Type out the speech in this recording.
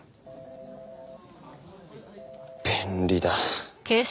便利だ。